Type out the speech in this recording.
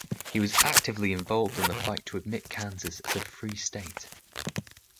He was actively involved in the fight to admit Kansas as a free state.